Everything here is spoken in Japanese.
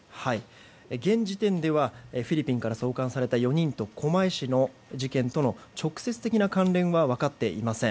現時点ではフィリピンから送還された４人と、狛江市の事件との直接的な関連は分かっていません。